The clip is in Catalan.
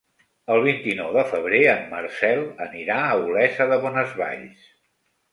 El vint-i-nou de febrer en Marcel anirà a Olesa de Bonesvalls.